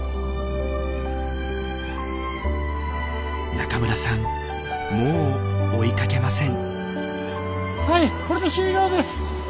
中村さんもう追いかけません。